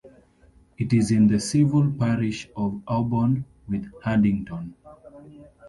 It is in the civil parish of Aubourn with Haddington.